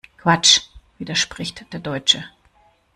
Quatsch!, widerspricht der Deutsche.